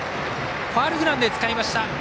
ファウルグラウンドでつかみました。